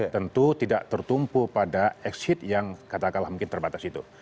tentu tidak tertumpu pada exit yang katakanlah mungkin terbatas itu